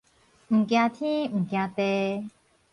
毋驚天，毋驚地